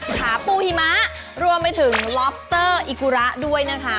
ขาปูหิมะรวมไปถึงล็อบเตอร์อิกุระด้วยนะคะ